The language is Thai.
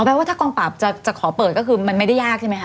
ว่าถ้ากองปราบจะขอเปิดก็คือมันไม่ได้ยากใช่ไหมค